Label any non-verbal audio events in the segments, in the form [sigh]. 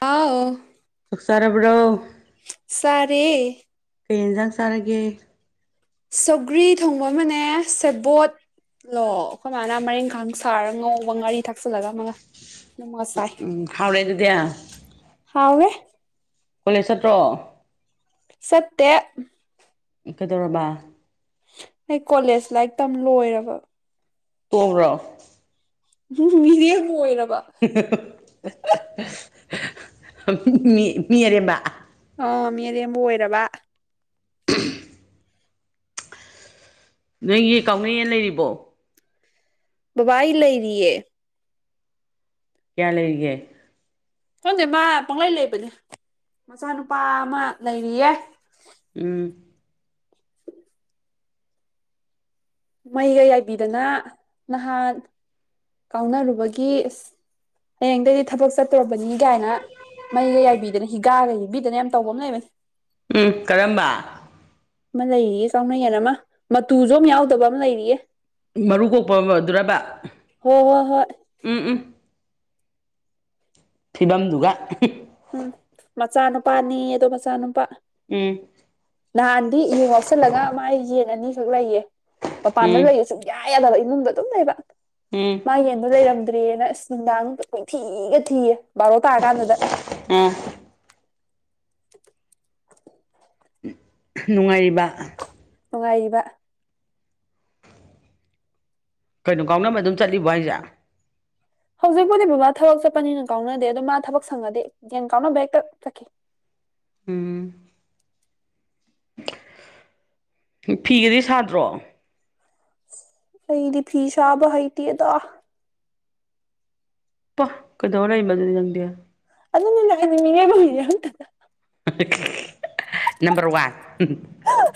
ꯑꯥꯎ ꯆꯥꯛ ꯆꯥꯔꯕ꯭ꯔꯣ ꯆꯥꯔꯦ ꯀꯩ ꯌꯦꯟꯖꯥꯡ ꯆꯥꯔꯒꯦ ꯁꯧꯒ꯭ꯔꯤ ꯊꯣꯡꯕ ꯑꯃꯅꯦ ꯁꯦꯕꯣꯠ ꯂꫭ ꯑꯩꯈꯣꯏ ꯃꯥꯅ ꯃꯔꯤꯡꯈꯥꯡ ꯁꯥꯔ ꯉꯧꯕ ꯉꯥꯔꯤ ꯊꯥꯛꯆꯜꯂꯒ ꯑꯃꯒ ꯗꯨꯃꯒꯥ ꯆꯥꯏ ꯎꯝ ꯍꯥꯎꯔꯦ ꯑꯗꯨꯗꯤ ꯍꯥꯎꯋꯦ ꯀꯣꯂꯦꯖ ꯆꯠꯇ꯭ꯔꯣ ꯆꯠꯇꯦ ꯀꯩꯗꯧꯔꯕ ꯑꯩ ꯀꯣꯂꯦꯖ ꯂꯥꯏꯔꯤꯛ ꯇꯝ ꯂꯣꯏꯔꯕ ꯇꯣꯛꯑꯕ꯭ꯔꯣ ꯃꯤꯔꯦꯝ ꯑꯣꯏꯔꯕꯥ ꯃꯤ ꯃꯤ ꯑꯔꯦꯝꯕ ꯑ ꯃꯤ ꯑꯔꯦꯝꯕ ꯑꯣꯏꯔꯕꯥ ꯅꯣꯏꯒꯤ ꯀꯥꯎꯅꯌꯦꯟ ꯂꯩꯔꯤꯕꯣ ꯕꯕꯥꯏ ꯂꯩꯔꯤꯌꯦ ꯀꯌꯥ ꯂꯩꯔꯤꯒꯦ ꯈꯪꯗꯦ ꯃꯥ ꯄꯪꯂꯩ ꯂꯩꯕꯅꯦ ꯃꯆꯥꯅꯨꯄꯥ ꯑꯃ ꯂꯩꯔꯤꯌꯦ ꯎꯝ [unintelligible] ꯃꯩꯒ ꯌꯥꯏꯕꯤꯗꯅ ꯅꯍꯥꯟ ꯀꯥꯎꯅꯔꯨꯕꯒꯤ ꯑꯁ ꯍꯌꯦꯡꯗꯩꯗꯤ ꯊꯕꯛ ꯆꯠ ꯇꯧꯔꯕꯅꯤ ꯀꯥꯏꯅ ꯃꯩꯒ ꯌꯥꯏꯕꯤꯗꯅ ꯍꯤꯒꯥꯒ ꯌꯩꯕꯤꯗꯅ ꯌꯥꯝ ꯇꯧꯕ ꯑꯃ ꯂꯩꯕꯅꯤ ꯎꯝ ꯀꯔꯝꯕꯥ ꯑꯃ ꯂꯩꯔꯤꯌꯦ ꯀꯥꯎꯅꯌꯦꯟ ꯑꯃ ꯃꯇꯨꯁꯨ ꯑꯝ ꯌꯥꯎꯗꯕ ꯑꯝ ꯂꯩꯔꯤꯌꯦ ꯃꯔꯨ ꯀꯣꯛꯄ ꯑꯃꯗꯨꯔꯕ ꯍꯣꯏ ꯍꯣꯏ ꯍꯣꯏ ꯎꯝ ꯎꯝ ꯐꯤꯕꯝꯗꯨꯒ ꯍꯨꯝ ꯎꯝ ꯃꯆꯥ ꯅꯨꯨꯄꯥꯅꯤꯌꯦ ꯑꯗꯣ ꯃꯆꯥꯅꯨꯄꯥ ꯎꯝ ꯅꯍꯥꯟꯗꯤ ꯌꯨ ꯉꯎꯁꯜꯂꯒ ꯃꯥꯏ ꯌꯦꯟ ꯑꯅꯤꯈꯛ ꯂꯩꯌꯦ ꯃꯄꯥꯟꯗ ꯎꯝ ꯂꯩꯌꯦ ꯁꯨꯝ ꯌꯥꯏ ꯌꯥꯗꯕ ꯏꯃꯨꯡꯗ ꯑꯗꯨꯝ ꯂꯩꯕ ꯎꯝ ꯃꯥꯢ ꯌꯦꯟꯗꯣ ꯂꯩꯔꯝꯗ꯭ꯔꯦꯅ ꯑꯁ ꯅꯨꯡꯗꯥꯡ ꯀꯣꯏꯊꯤꯒ ꯊꯤꯌꯦ ꯕꯥꯔꯣ ꯇꯥꯔ ꯀꯥꯟꯗꯨꯗ ꯑꯝ [unintelligible] ꯅꯨꯡꯉꯥꯏꯔꯤꯕ ꯅꯨꯡꯉꯥꯏꯔꯤꯕ ꯀꯩꯅꯣ ꯀꯥꯎꯅꯕ ꯑꯗꯨꯝ ꯆꯠꯂꯤꯕꯣ ꯍꯥꯏꯁꯦ ꯍꯧꯖꯤꯛꯄꯨꯗꯤ ꯕꯕꯥ ꯊꯕꯛ ꯆꯠꯄꯅꯤꯅ ꯀꯥꯎꯅꯗꯦ ꯑꯗꯣ ꯃꯥ ꯊꯕꯛ ꯁꯪꯉꯗꯤ ꯌꯦꯟ ꯀꯥꯎꯅꯕ ꯍꯦꯛꯇ ꯆꯠ ꯎꯝ ꯐꯤꯒꯗꯤ ꯁꯥꯗ꯭ꯔꯣ ꯑꯩꯗꯤ ꯐꯤꯁꯥꯕ ꯍꯩꯇꯤꯗ ꯄ ꯀꯩꯗꯧꯔ ꯂꯩꯕ ꯑꯗꯨꯗꯤ ꯅꯪꯗꯦ ꯑꯗꯨꯗꯅ ꯑꯦꯃꯤꯅꯦꯕꯒ ꯑꯣꯏ ꯍꯟꯗ [unintelligible] [unintelligible] ꯅꯝꯕꯔ ꯋꯥꯟ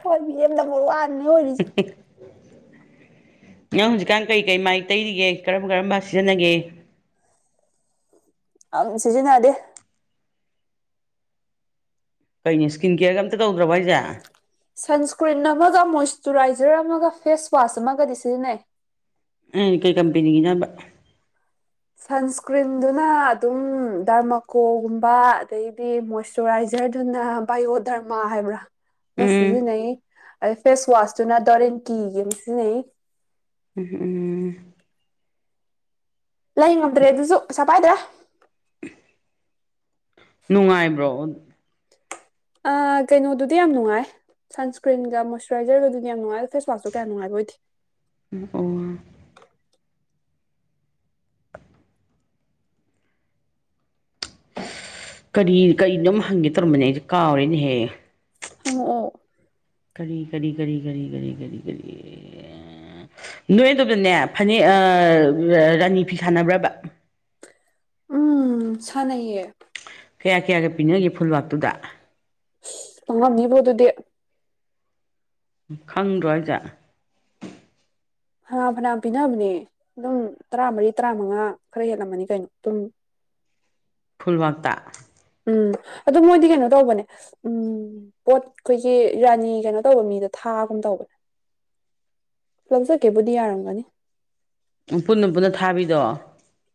ꯍꯣꯏ ꯕꯤꯔꯦꯝꯗ ꯃꯔ ꯑꯥꯟꯅꯤ ꯑꯣꯏꯔꯤꯁꯦ ꯅꯪ ꯍꯧꯖꯤꯛꯀꯥꯟ ꯀꯩ ꯀꯩ ꯃꯥꯏ ꯇꯩꯔꯤꯒꯦ ꯀꯔꯝ ꯀꯔꯝꯕ ꯁꯤꯖꯤꯟꯅꯒꯦ ꯑꯪ ꯁꯤꯖꯤꯟꯅꯗꯦ ꯀꯩꯅꯤ ꯁ꯭ꯀꯤꯟ ꯀꯦꯔꯒ ꯑꯝꯇ ꯇꯧꯗ꯭ꯔꯕ ꯑꯩꯁꯦ ꯁꯟꯁꯀ꯭ꯔꯤꯟ ꯑꯃꯒ ꯃꯣꯏꯁꯆꯨꯔꯥꯏꯖꯔ ꯑꯃꯒ ꯐꯦꯁ ꯋꯥꯁ ꯑꯃꯒꯗꯤ ꯁꯤꯖꯤꯟꯅꯩ ꯎꯝ ꯀꯩ ꯀꯝꯄꯅꯤꯒꯤꯅꯣ ꯍꯥꯢꯕ ꯁꯟꯁꯀ꯭ꯔꯤꯟꯗꯨꯅ ꯑꯗꯨꯝ ꯗꯔꯃꯥꯀꯣꯒꯨꯝꯕ ꯑꯗꯩꯗꯤ ꯃꯣꯏꯔ ꯁꯨꯔꯥꯏꯖꯔꯗꯨꯅ ꯕꯥꯏꯑꯣ ꯗꯔꯃꯥ ꯍꯥꯏꯕ꯭ꯔꯥ ꯃ ꯎꯝ ꯁꯤꯖꯤꯟꯅꯩ ꯑꯗꯩ ꯐꯦꯁ ꯋꯥꯁꯇꯨꯅ ꯗꯣꯔꯦꯟ ꯀꯤꯒꯤ ꯑꯃ ꯁꯤꯖꯤꯟꯅꯩ ꯎꯝ ꯎꯝ ꯎꯝ ꯂꯩ ꯉꯝꯗ꯭ꯔꯦ ꯑꯗꯨꯁꯨ ꯄꯩꯁꯥ ꯄꯥꯏꯗ꯭ꯔꯦ ꯅꯨꯡꯉꯥꯏꯕ꯭ꯔꯣ ꯑ ꯀꯩꯅꯣꯗꯨꯗꯤ ꯌꯥꯝ ꯅꯨꯡꯉꯥꯏ ꯁꯟꯁꯀ꯭ꯔꯤꯟꯒ ꯃꯣꯏꯁꯆꯨꯔꯥꯏꯖꯔꯒ ꯑꯗꯨꯗꯤ ꯌꯥꯝ ꯅꯨꯉꯥꯏ ꯐꯦꯋꯥꯁꯇꯣ ꯀꯌꯥ ꯅꯨꯡꯉꯥꯏ ꯑꯣꯏꯗꯦ ꯎꯝ ꯑꯣ ꯀꯔꯤ ꯀꯔꯤꯅꯣꯝ ꯍꯪꯒꯦ ꯇꯧꯔꯝꯕꯅꯦ ꯑꯩꯁꯦ ꯀꯥꯎꯔꯦꯅꯦꯍꯦ ꯍꯪꯉꯛꯑꯣ ꯀꯔꯤ ꯀꯔꯤ ꯀꯔꯤ ꯀꯔꯤ ꯀꯔꯤ ꯀꯔꯤ ꯀꯔꯤ ꯅꯣꯏ ꯑꯗꯨꯗꯅꯦ ꯐꯅꯦꯛ ꯑꯥ ꯔꯥꯅꯤ ꯐꯤ ꯁꯥꯟꯅꯕ꯭ꯔꯕ ꯎꯝ ꯁꯥꯟꯅꯩꯌꯦ ꯀꯌꯥ ꯀꯌꯥꯒ ꯄꯤꯅꯒꯦ ꯐꯨꯜꯋꯥꯛꯇꯨꯗ ꯑꯣꯉꯝꯅꯤꯕꯣ ꯑꯗꯨꯗꯤ ꯈꯪꯗ꯭ꯔꯣ ꯑꯩꯁꯦ ꯐꯅꯥꯝ ꯐꯅꯥꯝ ꯄꯤꯅꯕꯅꯦ ꯑꯗꯨꯝ ꯇꯔꯥꯃꯔꯤ ꯇꯔꯥꯃꯉꯥ ꯈꯔ ꯍꯦꯜꯂꯝꯃꯅꯤ ꯀꯩꯅꯣ ꯑꯗꯨꯝ ꯈꯨꯨꯜꯋꯥꯛꯇ ꯎꯝ ꯑꯗꯨ ꯃꯣꯏꯗꯤ ꯀꯩꯅꯣ ꯇꯧꯕꯅꯦ ꯎꯝ ꯄꯣꯠ ꯈꯣꯏꯒꯤ ꯔꯥꯅꯤ ꯀꯩꯅꯣ ꯇꯧꯕ ꯃꯤꯗ ꯊꯥꯒꯨꯝ ꯇꯧꯕ ꯂꯧꯖꯒꯦꯕꯨꯗꯤ ꯌꯥꯔꯝꯒꯅꯤ ꯎꯝ ꯄꯨꯟꯅ ꯄꯨꯟꯅ ꯊꯥꯕꯤꯗꯣ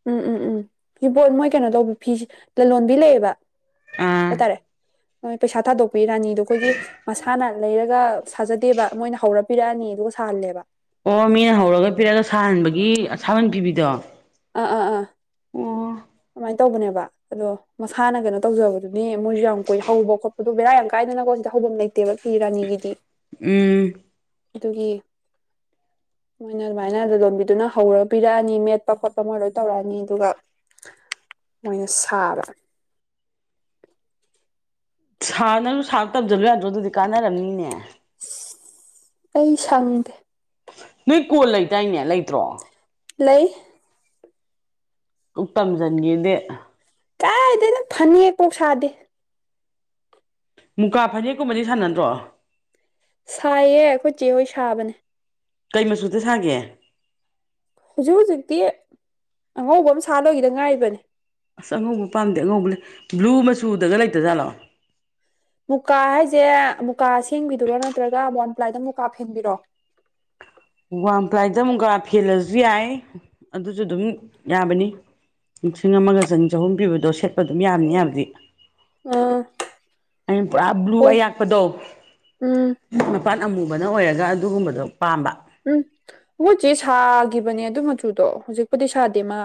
ꯎꯝ ꯎꯝ ꯎꯝ ꯄꯤꯕꯣꯠ ꯃꯣꯏ ꯀꯩꯅꯣ ꯇꯧꯕꯤ ꯐꯤꯖꯤ ꯂꯂꯣꯟꯕꯤ ꯂꯩꯌꯦꯕ ꯑꯥ ꯍꯥꯇꯥꯔꯦ ꯄꯩꯁꯥ ꯊꯥꯗꯣꯛꯄꯤ ꯔꯥꯅꯤꯗꯣ ꯑꯩꯈꯣꯏꯒꯤ ꯃꯁꯥꯅ ꯂꯩꯔꯒ ꯁꯥꯖꯗꯦꯕ ꯃꯣꯏꯅ ꯍꯧꯔ ꯄꯤꯔꯛꯑꯅꯤ ꯑꯗꯨꯒ ꯁꯥꯍꯜꯂꯦꯕ ꯑꯣ ꯃꯤꯅ ꯍꯧꯔꯒ ꯄꯤꯔꯒ ꯁꯥꯍꯟꯕꯒꯤ ꯑꯁꯥꯃꯟ ꯄꯤꯕꯤꯗꯣ ꯑꯥ ꯑꯥ ꯑꯥ ꯑꯣ ꯑꯃꯥꯏ ꯇꯧꯕꯅꯦꯕ ꯑꯗꯣ ꯃꯁꯥꯅ ꯀꯩꯅꯣ ꯇꯧꯖꯕꯗꯨꯅꯤ ꯃꯣꯏꯁꯨ ꯌꯥꯝ ꯀꯣꯏ ꯍꯧꯕ ꯈꯣꯠꯄꯗꯣ ꯕꯦꯔꯥ ꯌꯥꯝ ꯀꯥꯏꯗꯅꯀꯣ ꯁꯤꯗ ꯍꯧꯕꯝ ꯂꯩ ꯇꯦꯕ ꯔꯥꯅꯤꯒꯤꯗꯤ ꯎꯝ ꯑꯗꯨꯒꯤ ꯃꯣꯏꯅ ꯑꯗꯨꯃꯥꯏꯅ ꯂ ꯂꯣꯟꯕꯤꯗꯨꯅ ꯍꯧꯔ ꯄꯤꯔꯛꯑꯅꯤ ꯃꯦꯠꯄ ꯈꯣꯠꯄ ꯃꯣꯏ ꯂꯣꯏ ꯇꯧꯔꯛꯑꯅꯤ ꯑꯗꯨꯒ ꯃꯣꯏꯅ ꯁꯥꯕ ꯁꯥ ꯅꯪꯖꯨ ꯁꯥꯕ ꯇꯝꯖꯜꯂꯨ ꯌꯥꯗ꯭ꯔꯣ ꯑꯗꯨꯗꯤ ꯀꯥꯟꯅꯔꯝꯅꯤꯅꯦ ꯑꯩ ꯁꯪꯉꯦ ꯅꯣꯏ ꯀꯣꯜ ꯂꯩꯗꯥꯏꯅꯦ ꯂꯩꯇ꯭ꯔꯣ ꯂꯩ ꯀꯨꯛ ꯇꯝꯖꯟꯒꯦꯗꯦ ꯀꯥꯏꯗꯩꯅꯣ ꯐꯅꯦꯛꯄꯧ ꯁꯥꯗꯦ ꯃꯨꯀꯥ ꯐꯅꯦꯛꯀꯨꯝꯕꯗꯤ ꯁꯥꯟꯅꯗ꯭ꯔꯣ ꯁꯥꯏꯌꯦ ꯑꯈꯣꯏ ꯆꯦꯍꯣꯏ ꯁꯥꯕꯅꯦ ꯀꯩ ꯃꯆꯨꯗ ꯁꯥꯒꯦ ꯍꯧꯖꯤꯛ ꯍꯧꯖꯤꯛꯇꯤ ꯑꯉꯧꯕ ꯑꯃ ꯁꯥ ꯂꯧꯏꯒꯤꯗ ꯉꯥꯏꯔꯤꯕꯅꯤ ꯑꯁ ꯑꯉꯧꯕ ꯄꯥꯝꯗꯦ ꯑꯉꯧꯕ ꯂꯩ ꯕ꯭ꯂꯨ ꯃꯆꯨꯗꯒ ꯂꯩꯇꯖꯥꯠꯂꯣ ꯃꯨꯀꯥ ꯍꯥꯏꯖꯦ ꯃꯨꯀꯥ ꯁꯦꯡꯕꯤꯗꯨꯔꯣ ꯅꯠꯇ꯭ꯔꯒ ꯋꯥꯟꯄ꯭ꯂꯥꯏꯗ ꯃꯨꯀꯥ ꯐꯦꯟꯕꯤꯔꯣ ꯋꯥꯜ ꯄ꯭ꯂꯥꯏꯗ ꯑꯃꯨꯛꯒ ꯐꯦꯜꯂꯖꯨ ꯌꯥꯏ ꯑꯗꯨꯁꯨ ꯑꯗꯨꯝ ꯌꯥꯕꯅꯤ ꯂꯤꯁꯤꯡ ꯑꯃꯒ ꯆꯅꯤ ꯆꯍꯨꯝ ꯄꯤꯕꯗꯣ ꯁꯦꯠꯄ ꯑꯗꯨꯝ ꯌꯝꯅꯤ ꯎꯝ ꯌꯕꯗꯤ ꯑꯥ ꯑꯩꯅ ꯄꯨꯔꯥ ꯕ꯭ꯂꯨ ꯑꯣ ꯑꯌꯥꯛꯄꯗꯣ ꯎꯝ ꯃꯄꯥꯟ ꯑꯃꯨꯕꯅ ꯑꯣꯏꯔꯒ ꯑꯗꯨꯒꯨꯝꯕꯗꯣ ꯄꯥꯝꯕ ꯎꯝ ꯑꯈꯣꯏꯆꯦ ꯁꯥꯈꯤꯕꯅꯦ ꯑꯗꯨ ꯃꯆꯨꯗꯣ ꯍꯧꯖꯤꯛꯄꯨꯗꯤ ꯁꯥꯗꯦ ꯃꯥ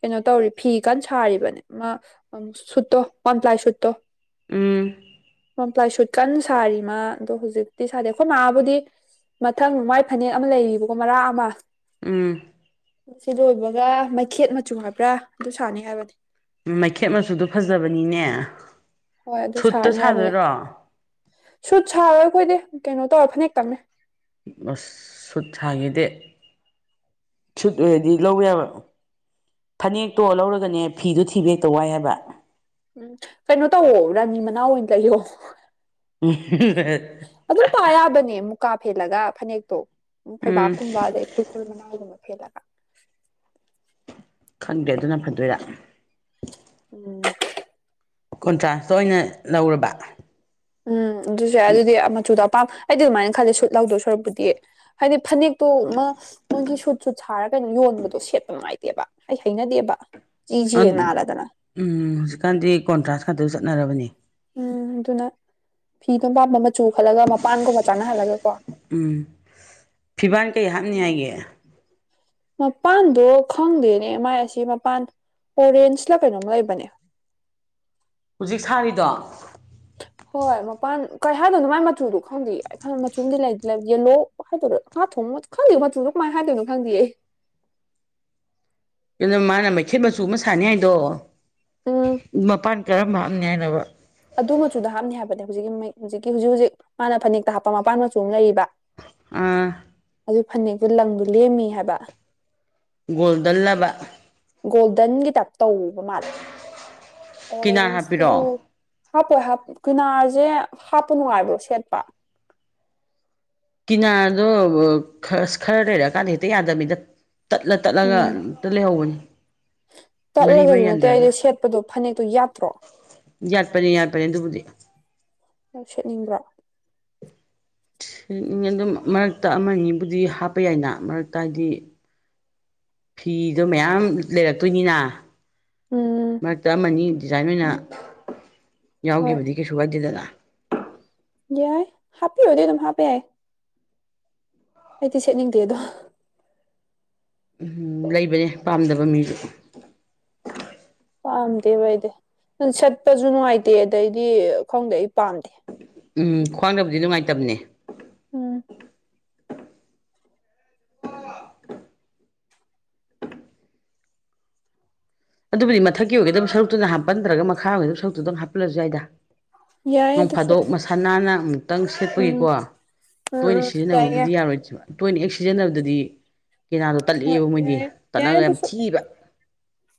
ꯀꯩꯅꯣ ꯇꯧꯔꯤ ꯐꯤ ꯀꯥꯟ ꯁꯥꯔꯤꯕꯅꯤ ꯃꯥ ꯁꯨꯠꯇꯣ ꯋꯥꯜꯄꯂꯥꯏ ꯁꯨꯠꯇꯣ ꯎꯝ ꯋꯥꯜꯄ꯭ꯂꯥꯏ ꯁꯨꯠ ꯀꯟꯅ ꯁꯥꯔꯤ ꯃ ꯑꯗꯣ ꯍꯧꯖꯤꯛꯇꯤ ꯁꯥꯗꯦ ꯑꯈꯣꯏ ꯃꯥꯕꯨꯗꯤ ꯃꯊꯪ ꯃꯥꯏ ꯐꯅꯦꯛ ꯑꯃ ꯂꯩꯔꯤꯕꯀꯣ ꯃꯔꯥꯛ ꯑꯃ ꯎꯝ ꯑꯁꯤ ꯂꯣꯏꯕꯒ ꯃꯩꯈꯦꯠ ꯃꯆꯨ ꯍꯥꯏꯕ꯭ꯔꯥ ꯑꯗꯨ ꯁꯥꯅꯤ ꯍꯥꯏꯕꯅꯤ ꯃꯩꯈꯦꯠ ꯃꯆꯨꯗꯣ ꯐꯖꯕꯅꯤꯅꯦ ꯍꯣꯏ ꯑꯗꯨ ꯁꯨꯠꯇ ꯁꯥꯅꯤ ꯍꯥꯏꯕꯅꯦ ꯁꯥꯗꯣꯏꯔꯣ ꯁꯨꯠ ꯁꯥꯔꯣꯏ ꯑꯈꯣꯏꯗꯤ ꯀꯩꯅꯣ ꯇꯧꯔ ꯐꯅꯦꯛ ꯇꯪꯅꯦ ꯑꯁ ꯁꯨꯠ ꯁꯥꯥꯈꯦꯗꯦ ꯁꯨꯠ ꯑꯣꯏꯗꯤ ꯂꯧ ꯌꯥꯕ ꯐꯅꯦꯛꯇꯣ ꯂꯧꯔꯒꯅꯦ ꯐꯤꯗꯨꯣ ꯊꯤꯕ ꯍꯦꯛꯇ ꯋꯥꯏ ꯍꯥꯏꯕ ꯀꯩꯅꯣ ꯇꯧꯋꯣ ꯔꯥꯅꯤ ꯃꯅꯥꯎ ꯑꯣꯏꯅ ꯂꯩꯌꯣ [unintelligible] ꯑꯗꯨꯝ ꯄꯥ ꯌꯥꯕꯅꯦ ꯃꯨꯀꯥ ꯐꯦꯜꯂꯒ ꯐꯅꯦꯛꯇꯣ ꯎꯝ ꯐꯩꯕꯥꯛꯀꯨꯝꯕ ꯑꯗꯩ ꯐꯨꯜ ꯃꯅꯥꯎꯒꯨꯝꯕ ꯐꯦꯠꯂꯒ ꯈꯪꯗꯦ ꯑꯗꯨꯅ ꯐꯗꯣꯏꯔꯥ ꯎꯝ ꯀꯣꯟꯇ꯭ꯔꯥꯁ ꯑꯣꯏꯅ ꯂꯧꯔꯕ ꯎꯝ ꯑꯗꯨꯁꯨ ꯌꯥ ꯑꯗꯨꯗꯤ ꯃꯆꯨꯗꯣ ꯑꯄꯥꯝ ꯑꯩꯗꯤ ꯑꯗꯨꯃꯥꯏꯅ ꯈꯜꯂꯤ ꯁꯨꯠ ꯂꯧꯗꯣꯏ ꯁꯣꯔꯨꯛꯄꯨꯗꯤ ꯍꯥꯏꯗꯤ ꯐꯅꯦꯛ ꯇꯣ ꯃꯥ ꯃꯣꯏꯒꯤ ꯁꯨꯠ ꯁꯨꯠ ꯁꯥꯔꯒꯩꯅꯣ ꯌꯣꯟꯕꯗꯣ ꯁꯦꯠꯇ ꯅꯨꯡꯥꯏꯇꯦꯕ ꯑꯩ ꯍꯩꯅꯗꯦꯕ [unintelligible] ꯅꯥꯜꯂꯗꯥꯅ ꯎꯝ ꯍꯧꯖꯤꯛꯀꯥꯟꯗꯤ ꯀꯣꯟꯇ꯭ꯔꯥꯟ ꯈꯛꯇ ꯆꯠꯅꯔꯕꯅꯤ ꯎꯝ ꯑꯗꯨꯅ ꯐꯤꯗꯣꯝ ꯄꯥꯝꯕ ꯃꯆꯨ ꯈꯜꯂꯒ ꯃꯄꯥꯟꯒꯨꯝꯕ ꯆꯥꯟꯅꯍꯜꯂꯒ ꯀꯣ ꯎꯝ ꯐꯤꯕꯥꯜ ꯀꯩ ꯍꯥꯞꯅꯤ ꯍꯥꯏꯒꯦ ꯃꯄꯥꯟꯗꯣ ꯈꯪꯗꯦꯅꯦ ꯑꯦꯝ ꯃꯥꯏ ꯑꯁꯤ ꯃꯄꯥꯟ ꯑꯣꯔꯦꯟꯖꯂ ꯀꯩꯅꯣꯝ ꯂꯩꯕꯅꯦ ꯍꯧꯖꯤꯛ ꯁꯥꯔꯤꯗꯣ ꯍꯣꯏ ꯃꯄꯥꯟ ꯀꯔꯤ ꯍꯥꯏꯗꯣꯏꯅꯣ ꯃꯥꯏ ꯃꯆꯨꯗꯣ ꯈꯪꯗꯦ [unintelligible] ꯃꯆꯨꯗꯤ [unintelligible] ꯂꯩ ꯌꯦꯂꯣ [unintelligible] ꯉꯥ ꯊꯣꯡ ꯈꯪꯗꯦ ꯃꯆꯨꯗꯨ ꯀꯃꯥꯏ ꯍꯥꯏꯗꯣꯏꯅꯣ ꯈꯪꯗꯦ ꯏꯟꯅꯥꯃꯥꯅ ꯃꯩꯈꯦꯠ ꯃꯆꯨ ꯑꯃ ꯁꯥꯅꯤ ꯍꯥꯏꯗꯣ ꯎꯝ ꯃꯄꯥꯟ ꯀꯔꯝꯕ ꯍꯥꯞꯅꯤ ꯍꯥꯏꯅꯣꯕꯥ ꯑꯗꯨ ꯃꯆꯨꯗ ꯍꯥꯞꯅꯤ ꯍꯥꯏꯕꯅꯦ ꯍꯧꯖꯤꯛꯀꯤ ꯍꯧꯖꯤꯛꯀꯤ ꯍꯧꯖꯤꯛ ꯍꯧꯖꯤꯛ ꯃꯥꯅ ꯐꯅꯦꯛꯇ ꯍꯥꯞꯄ ꯃꯄꯥꯟ ꯃꯆꯨ ꯑꯃ ꯂꯩꯔꯤꯕ ꯑꯥ ꯑꯗꯨ ꯐꯅꯦꯛꯇꯣ ꯂꯪꯗꯣ ꯂꯦꯝꯃꯤ ꯍꯥꯏꯕ ꯒꯣꯜꯗꯜꯂꯕ ꯑꯗꯨꯒꯤ ꯒꯣꯜꯗꯟꯒꯤ ꯇꯥꯏꯞ ꯇꯧꯕ ꯃꯥꯜꯂꯦ ꯀꯤꯅꯥꯔ ꯑꯣꯔꯦꯟꯖꯇꯁꯨ ꯍꯥꯞꯄꯤꯔꯛꯑꯣ ꯍꯥꯞꯄꯣꯏ ꯍꯥꯞꯄ ꯀꯨꯅꯥꯔꯁꯦ ꯍꯥꯞꯄ ꯅꯨꯡꯉꯥꯏꯕ꯭ꯔ‌ꯣ ꯁꯦꯠꯄ ꯀꯤꯅꯥꯔꯗꯣ ꯈ ꯈꯔꯥ ꯂꯩꯔꯛꯀꯥꯟꯗ ꯍꯦꯛꯇ ꯌꯥꯗꯃꯤꯗ ꯇꯠꯂꯥ ꯇꯠꯂꯥꯒ ꯎꯝ ꯇꯥ ꯂꯩꯍꯧꯕꯅꯤ ꯃꯔꯤ ꯃꯔꯤ ꯇꯠꯂꯒꯁꯨ ꯅꯠꯇꯦ ꯌꯥꯟꯊꯔꯒ ꯑꯩꯗꯤ ꯁꯦꯠꯄꯗꯣ ꯐꯅꯦꯛꯇꯣ ꯌꯥꯠꯇ꯭ꯔꯣ ꯌꯥꯠꯄꯅꯦ ꯌꯥꯠꯄꯅꯦ ꯑꯗꯨꯕꯨꯗꯤ ꯅꯪ ꯁꯦꯠꯅꯤꯡꯕ꯭ꯔꯥ ꯑꯗꯨꯝ ꯃꯔꯛꯇ ꯑꯃ ꯑꯅꯤꯕꯨꯗꯤ ꯍꯥꯞꯄ ꯌꯥꯏꯅ ꯃꯔꯛꯇ ꯍꯥꯏꯗꯤ ꯐꯤꯗꯣ ꯃꯌꯥꯝ ꯂꯩꯔꯛꯇꯣꯏꯅꯤꯅ ꯎꯝ ꯃꯔꯛꯇ ꯑꯃꯅꯤ ꯗꯤꯖꯥꯏꯟ ꯑꯣꯏꯅ ꯍꯣꯏ ꯌꯥꯎꯈꯤꯕꯗꯤ ꯀꯩꯁꯨ ꯀꯥꯏꯗꯦꯗꯅ ꯌꯥꯏ ꯍꯥꯄꯤꯌ‌ꯣꯗꯤ ꯑꯗꯨꯝ ꯍꯥꯄ ꯌꯥꯏ ꯑꯩꯗꯤ ꯁꯦꯠꯅꯤꯡꯗꯦ ꯑꯗꯣ ꯎꯝ ꯂꯩꯕꯅꯦ ꯄꯥꯝꯗꯕ ꯃꯤꯁꯨ ꯄꯥꯝꯗꯦꯕ ꯑꯩꯗꯤ ꯁ‌ꯦꯠꯄꯁꯨ ꯅꯨꯡꯉꯥꯏꯇꯦ ꯑꯗꯩꯗꯤ ꯈꯪꯗꯦ ꯑꯩ ꯄꯥꯝꯗꯦ ꯎꯝ ꯈ꯭ꯋꯥꯡꯗꯕꯨꯗꯤ ꯅꯨꯡꯉꯥꯏꯇꯕꯅꯦ ꯎꯝ ꯑꯗꯨꯕꯨꯗꯤ ꯃꯊꯛꯀꯤ ꯑꯣꯏꯒꯗꯕ ꯁꯔꯨꯛꯇꯨꯅ ꯍꯥꯞꯍꯟꯗ꯭ꯔꯥꯒ ꯃꯈꯥ ꯑꯣꯏ [unintelligible] ꯁꯔꯨꯛꯇꯨꯗ ꯑꯗꯨꯝ ꯍꯥꯞꯍꯜꯂꯁꯨ ꯌꯥꯏꯗ ꯌꯥꯏ ꯅꯣꯡ ꯑꯗꯨꯁꯨ ꯐꯗꯣꯛ ꯃꯁꯥ ꯅꯥꯟꯅ ꯎꯝ ꯑꯝꯇꯪ ꯎꯝ ꯁꯦꯠꯄꯒꯤꯀꯣ ꯎꯝ ꯇꯣꯏꯅ ꯎꯝ ꯌꯥꯏ ꯌꯥꯏ ꯁꯤꯖꯤꯟꯅꯕꯕꯨꯗꯤ ꯌꯥꯔꯣꯏ ꯇꯣꯏꯅ ꯍꯦꯛ ꯁꯤꯖꯤꯟꯅꯕꯗꯗꯤ ꯀꯦꯔꯥꯗꯣ ꯍꯣꯏ ꯇꯠꯂꯛꯑꯦꯕ ꯃꯣꯏꯗꯤ ꯌꯥꯏ ꯌꯥꯏ ꯇꯠꯂꯒ ꯌꯥꯝ ꯑꯗꯨꯁꯨ ꯊꯤꯕ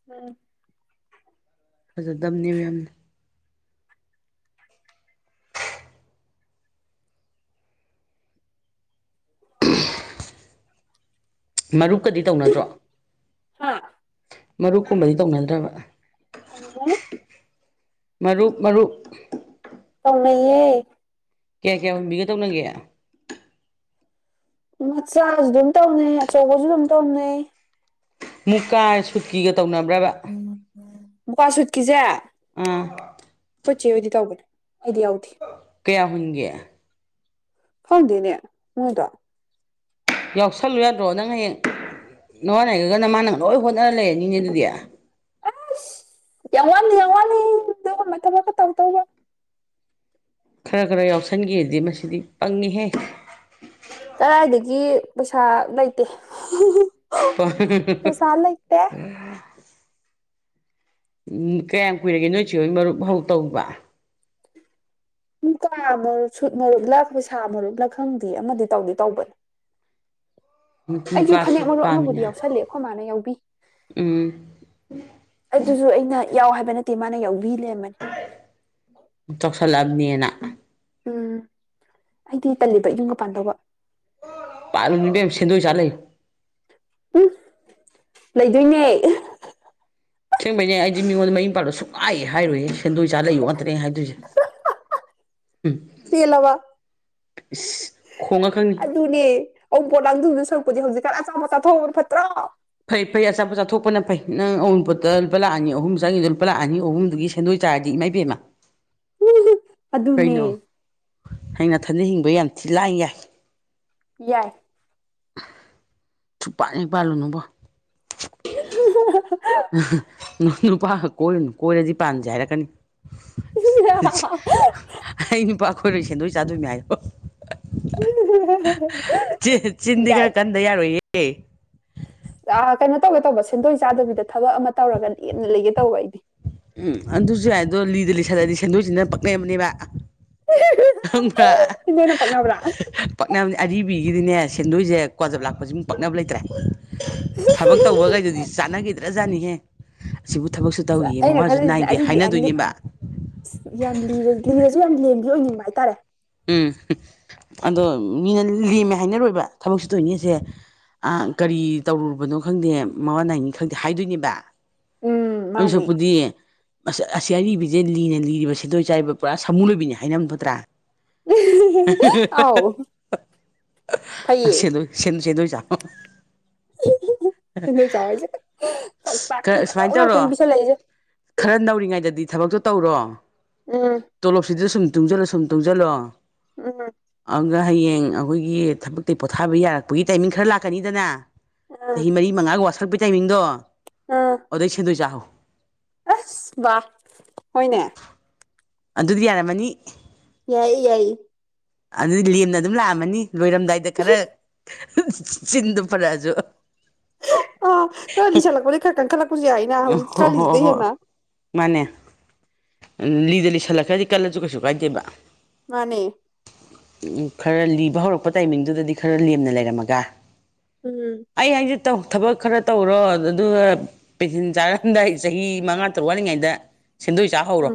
[inaudible] ꯐꯖꯗꯝꯅꯦꯕ ꯌꯥꯝꯅ ꯃꯔꯨꯞꯀꯗꯤ ꯇꯧꯅꯗ꯭ꯔꯣ ꯍꯥ ꯃꯔꯨꯞ ꯀꯨꯝꯕꯗꯤ ꯇꯧꯅꯗ꯭ꯔꯥꯕ? [unintelligible] ꯃꯔꯨꯞ ꯃꯔꯨꯞ ꯇꯧꯅꯩꯌꯦ ꯀꯌꯥ ꯀꯌꯥ ꯍꯨꯟꯕꯤꯒ ꯇꯧꯅꯒꯦ? ꯃꯆꯥꯁꯨ ꯑꯗꯨꯝ ꯇꯧꯅꯩ ꯑꯆꯧꯕꯁꯨ ꯑꯗꯨꯝ ꯇꯧꯅꯩ ꯫ ꯃꯨꯛꯀꯥ ꯁꯨꯠꯀꯤꯒ ꯇꯧꯅꯕ꯭ꯔꯥꯕ ꯃꯨꯀꯥ ꯁꯨꯠꯀꯤꯁꯦ ꯑꯥ ꯈꯣꯏ ꯆ‌ꯦꯍ‌ꯣꯏꯗꯤ ꯇꯧꯕꯅꯦ ꯑꯩꯗꯤ ꯌꯥꯎꯗꯦ ꯫ ꯀꯌꯥ ꯍꯨꯟꯒꯦ? ꯈꯪꯗꯦꯅꯦ ꯃ‌ꯣꯏꯗ‌ꯣ ꯫ ꯌꯥꯎꯁꯜꯂꯨ ꯌꯥꯗ꯭ꯔꯣ ꯅꯪ ꯍꯌꯦꯡ ꯅꯋꯥ ꯉꯥꯏꯒꯔꯒꯥ ꯅꯃꯥꯅ ꯂꯣꯏ ꯍꯣꯠꯅꯔ ꯂꯩꯔꯅꯤꯅꯦ ꯑꯗꯨꯗꯤ ꯫ ꯑꯁ ꯌꯥꯝ ꯋꯥꯂꯤ ꯌꯥꯝ ꯋꯥꯂꯤ ꯗꯨꯒꯨꯝꯕ ꯊꯕꯛ ꯀ ꯇꯧꯗꯧꯕ ꯈꯔꯥ ꯈꯔꯥ ꯌꯥꯎꯁꯟꯒꯦꯗꯤ ꯃꯁꯤꯗꯤ ꯄꯪꯉ‌ꯦꯍꯦ ꯀꯔꯥꯏꯗꯒꯤ ꯄꯩꯁ ꯂꯩꯇꯦ ꯫ [unintelligible] ꯎꯝ ꯀꯌꯥꯝ ꯀꯨꯏꯔꯒꯦ ꯅꯣꯏ ꯆ‌ꯦ ꯍꯣꯏ ꯃꯔꯨꯞ ꯍꯧ ꯇꯧꯕ? ꯃꯨꯀꯥ ꯃꯔꯨꯞ ꯁꯨꯠ ꯃꯔꯨꯞꯂ ꯄꯩꯁꯥ ꯃꯔꯨꯞꯂ ꯈꯪꯗꯦ ꯑꯃꯗꯤ ꯇꯧꯗꯤ ꯇꯧꯕꯅꯦ ꯫ ꯑꯩꯁꯨ ꯃꯨꯀꯥ ꯐꯅꯦꯛ ꯁꯨꯠ ꯃꯔꯨꯞ ꯑꯃꯕꯨꯗꯤ ꯄꯥꯝꯃꯤꯅ ꯌꯥꯎꯁꯜꯂꯦ ꯑꯩꯈꯣꯏ ꯃꯥꯅ ꯌꯥꯎꯕꯤ ꯫ ꯎꯝ ꯑꯗꯨꯁꯨ ꯑꯩꯅ ꯌꯥꯎ ꯍꯥꯏꯕ ꯅꯠꯇꯦ ꯃꯥꯅ ꯌꯥꯎꯕꯤ ꯂꯩꯔꯝꯕꯅꯤ ꯫ ꯆꯥꯎꯁꯤꯜꯂ‌ꯑꯝꯅ‌ꯦꯅ ꯎꯝ ꯑꯩꯗꯤ ꯇꯜꯂꯤꯕ ꯏꯌꯨꯝꯒ ꯄꯥꯟꯗꯧꯕ ꯄꯥꯜꯂꯨꯅꯨ ꯏꯕꯦꯝꯃ ꯁ‌ꯦꯟꯗꯣꯏ ꯆꯥ ꯂꯩꯑ‌ꯣ ꯎꯝ ꯂꯩꯗꯣꯏꯅꯦ ꯑꯁ‌ꯦꯡꯕꯩꯅꯦ ꯑꯩꯗꯤ ꯃꯤꯉꯣꯟꯗ ꯃꯌꯨꯝ ꯄꯥꯜꯂ‌ꯣ ꯁꯨꯛꯍꯥꯏꯍ‌ꯦ ꯍꯥꯏꯔ‍ꯣꯏꯌꯦ ꯁꯦꯟꯗꯣꯏ ꯆꯥ ꯂꯩꯌꯣ ꯉꯥꯛꯇꯅꯦ ꯍꯥꯏꯗꯣꯏꯁꯦ ꯄ‌ꯦꯜꯂꯕ ꯏꯁ ꯈꯣꯡꯉꯛꯀꯅꯤ ꯑꯗꯨ ꯅꯦ ꯑꯎꯟꯄꯣꯠ ꯂꯥꯡꯗꯨꯨꯕ ꯁꯔꯨꯛꯄꯨꯗꯤ ꯍꯧꯖꯤꯛꯀꯥꯟ ꯑꯆꯥ ꯄ‌ꯣꯠ ꯆꯊꯣꯛꯍ‌ꯧꯕꯅ ꯐꯠꯇ꯭ꯔꯣ ꯐꯩ ꯐꯩ ꯑꯆꯥꯄ‌ꯣꯠ ꯆꯥꯊꯣꯛꯄꯅ ꯐꯩ ꯅꯪ ꯑꯎꯟꯄ‌ꯣꯠꯇ ꯂꯨꯄ ꯂꯥꯛ ꯑꯅꯤ ꯑꯍꯨꯝ ꯆꯪꯉꯤꯗꯨ ꯂꯨꯄꯥ ꯂꯥꯛ ꯑꯅꯤ ꯑꯍꯨꯝꯗꯨꯒꯤ ꯁꯦꯟꯗꯣꯏ ꯆꯥꯔꯗꯤ ꯏꯃꯥꯏꯕꯦꯝꯃ ꯑꯗꯨꯅꯦ ꯀꯩꯅꯣ ꯍꯩꯌꯦꯡ ꯅꯊꯟꯇ ꯍꯤꯡꯕ ꯌꯥꯝ ꯊꯤ ꯂꯥꯏ ꯌꯥꯏ ꯌꯥꯏ ꯁꯨ ꯄꯥꯟ ꯍꯦꯛ ꯄꯥꯜꯂꯨꯅꯨꯕꯣ [unintelligible] ꯅꯨꯄꯥꯒ ꯀꯣꯏꯔꯅꯨ ꯀꯣꯏꯔꯗꯤ ꯄꯥꯟꯁꯦ ꯍꯥꯏꯔꯛꯀꯅꯤ ꯑꯩ ꯅꯨꯄꯥ ꯀꯣꯏꯔꯣꯏ ꯁꯦꯟꯗꯣꯏ ꯆꯥꯗꯣꯏ ꯃꯦ ꯍꯥꯏꯌꯣ ꯆꯤꯟ ꯆꯤꯟꯗꯤ ꯌꯥꯥꯏ [unintelligible] ꯌꯥꯔꯣꯏꯌꯦ ꯑ ꯀꯩꯅꯣ ꯇꯧꯒꯦ ꯇꯧꯕ ꯁꯦꯟꯗꯣꯏ ꯆꯥꯗꯕꯤꯗ ꯊꯕꯛ ꯑꯃ ꯇꯧꯔꯒ ꯂꯦꯝꯅ ꯂꯩꯒꯦ ꯇꯧꯕ ꯑꯩꯗꯤ ꯎꯝ ꯑꯗꯨꯁꯨ ꯌꯥꯏ ꯗꯣ ꯂꯤꯗ ꯂꯤꯁꯜꯂꯗꯤ ꯁꯦꯟꯗꯣꯏꯁꯤꯅꯦ ꯄꯛꯅꯕꯅꯦꯕ ꯈꯪꯕꯔꯥ ꯅꯣꯏꯅ ꯄꯛꯅꯕ꯭ꯔꯥ ꯄꯛꯅꯕꯅꯦ ꯑꯔꯤꯕꯤꯒꯤꯗꯤꯅꯦ ꯁꯦꯟꯗꯣꯏꯁꯦ ꯀ꯭ꯋꯥꯖꯞ ꯂꯥꯛꯄꯁꯤꯃꯨꯛ ꯄꯛꯅꯕ ꯂꯩꯇ꯭ꯔꯦ ꯊꯕꯛ ꯇꯧꯕꯈꯩꯗꯨꯗꯤ ꯆꯥꯟꯅꯈꯤꯗ꯭ꯔꯥꯖꯥꯠꯅꯤꯍꯦ ꯑꯁꯤꯕꯨ ꯊꯕꯛꯁꯨ ꯇꯧꯔꯤꯌꯦ ꯑꯩꯅ ꯃꯋꯥꯁꯨ ꯈꯜꯂꯤꯁꯤꯅ ꯅꯥꯏꯗꯦ ꯑꯔꯤꯕꯔꯤꯕ ꯑ ꯍꯥꯏꯅꯗꯣꯏꯅꯦꯕ ꯌꯥꯝ ꯂꯤꯔꯁꯨ ꯌꯥꯝ ꯂꯦꯝꯕꯤ ꯑꯣꯏꯅꯤꯡꯕ ꯍꯥꯏꯇꯥꯔꯦ ꯎꯝ ꯑꯗꯣ ꯃꯤꯅ ꯂꯦꯝꯃꯦ ꯍꯥꯏꯅꯔꯣꯏꯕ ꯊꯕꯛꯁꯨ ꯇꯧꯏꯅꯦꯁꯦ ꯑ ꯀꯔꯤ ꯇꯧꯔꯨꯕꯅꯣ ꯈꯪꯗꯦ ꯃꯥꯋꯥ ꯅꯥꯏꯅꯤ ꯈꯪꯗꯦ ꯍꯥꯏꯗꯣꯏꯅꯦꯕ ꯎꯝ ꯃꯥꯅꯦ ꯑꯩꯁꯨꯛꯄꯨꯗꯤ ꯑꯁ ꯑꯁꯤ ꯑꯔꯤꯕꯤꯖꯦ ꯂꯤꯅ ꯂꯤꯔꯤꯕ ꯁꯦꯟꯗꯣꯏ ꯆꯥꯔꯤꯕ ꯄꯨꯔꯥ ꯁꯃꯨ ꯂꯣꯏꯕꯤꯅꯤ ꯍꯥꯏꯅꯝ ꯐꯠꯇ꯭ꯔꯥ ꯑꯥꯎ ꯐꯩꯌꯦ ꯑꯥ ꯁꯦꯟꯗꯣꯏ ꯁꯦꯟ ꯁꯦꯟꯗꯣꯏ ꯆꯥ ꯁꯦꯟꯗꯣꯏ ꯆꯥꯎ ꯍꯥꯏꯖꯦ ꯊꯣꯛ ꯊꯥꯛ ꯇꯤ ꯈꯔ ꯐꯖꯕ ꯁꯨꯃꯥꯏꯅ ꯇꯧꯔꯣ ꯉꯥꯛꯇꯥꯅꯤ ꯄꯤꯁꯤꯟꯂꯛꯏꯖꯦ ꯈꯔ ꯅꯧꯔꯤꯉꯩꯗꯗꯤ ꯊꯕꯛꯇꯣ ꯇꯧꯔꯣ ꯎꯝ ꯇꯣꯂꯣꯞꯁꯤꯗ ꯁꯨꯝ ꯇꯨꯡꯖꯜꯂꯣ ꯁꯨꯝ ꯇꯨꯡꯖꯜꯂꯣ ꯎꯝ ꯑꯥꯒ ꯍꯌꯦꯡ ꯑꯩꯈꯣꯏꯒꯤ ꯊꯕꯛꯇꯩ ꯄꯣꯊꯥꯕ ꯌꯥꯔꯛꯄꯒꯤ ꯇꯥꯏꯃꯤꯡ ꯈꯔ ꯂꯥꯛꯀꯥꯅꯤꯗꯅ ꯎꯝ ꯆꯍꯤ ꯃꯔꯤ ꯃꯉꯥꯒ ꯋꯥꯁꯜꯂꯛꯄꯩ ꯇꯥꯏꯃꯤꯡꯗꯣ ꯎꯝ ꯑꯗꯩ ꯁꯤꯟꯗꯣꯏ ꯆꯥꯍꯧ ꯑꯁ ꯕꯥ ꯍꯣꯏꯅꯦ ꯑꯗꯨꯗꯤ ꯌꯥꯔꯝꯃꯅꯤ ꯌꯥꯏꯌꯦ ꯌꯥꯏꯌꯦ ꯑꯗꯩ ꯂꯦꯝꯅ ꯑꯗꯨꯝ ꯂꯥꯛꯑꯝꯃꯅꯤ ꯂꯣꯏꯔꯝꯗꯥꯏꯗ ꯈꯔ ꯆꯤꯟꯗꯨ ꯐꯔꯥꯖꯨ ꯑꯥ [unintelligible] ꯈꯔ ꯀꯟ ꯈꯠꯂꯛꯄꯖꯨ ꯌꯥꯏꯅ ꯍꯧꯖꯤꯛ ꯀꯜꯂꯤꯖꯤꯗꯩ ꯍꯣꯏ ꯍꯦꯟꯅ ꯃꯥꯅꯦ ꯂꯤꯗ ꯂꯤꯁꯜꯂꯛꯈ꯭ꯔꯥꯗꯤ ꯀꯜꯂꯖꯨ ꯀꯩꯁꯨ ꯀꯥꯏꯗꯦꯕ ꯃꯥꯅꯦ ꯈꯔ ꯂꯤꯕ ꯍꯧꯔꯛꯄ ꯇꯥꯏꯃꯤꯡꯗꯨꯗꯗꯤ ꯈꯔ ꯂꯦꯝꯅ ꯂꯩꯔꯝꯃꯒ ꯎꯝ ꯑꯩ ꯍꯥꯏꯖꯦ ꯇꯧ ꯊꯕꯛ ꯈꯔ ꯇꯧꯔꯣ ꯑꯗꯨꯒ ꯄꯦꯟꯁꯤꯟ ꯆꯥꯔꯝꯗꯥꯏ ꯆꯍꯤ ꯃꯉꯥ ꯇꯔꯨꯛ ꯋꯥꯠꯂꯤꯉꯩꯗ ꯁꯦꯟꯗꯣꯏ ꯆꯥ ꯍꯧꯔꯣ ꯎꯝ